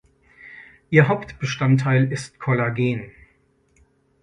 Ihr Hauptbestandteil ist Kollagen.